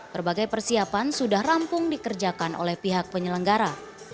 berbagai persiapan sudah rampung dikerjakan oleh pihak penyelenggara